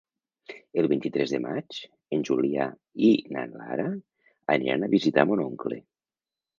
El vint-i-tres de maig en Julià i na Lara aniran a visitar mon oncle.